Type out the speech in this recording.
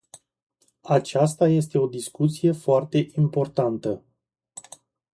Aceasta este o discuție foarte importantă.